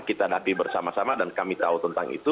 kita hadapi bersama sama dan kami tahu tentang itu